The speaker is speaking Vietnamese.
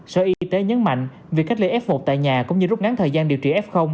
sở y tế nhấn mạnh việc cách ly f một tại nhà cũng như rút ngắn thời gian điều trị f